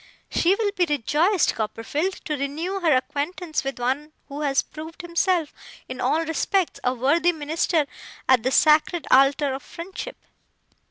She will be rejoiced, Copperfield, to renew her acquaintance with one who has proved himself in all respects a worthy minister at the sacred altar of friendship.